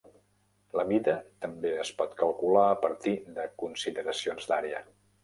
La mida també es pot calcular a partir de consideracions d'àrea.